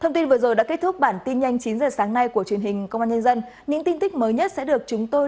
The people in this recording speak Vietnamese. cảm ơn quý vị đã theo dõi và đăng ký kênh của chúng tôi